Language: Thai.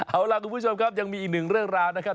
เอาล่ะคุณผู้ชมครับยังมีอีกหนึ่งเรื่องราวนะครับ